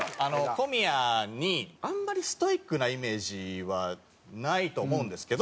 小宮にあんまりストイックなイメージはないと思うんですけど。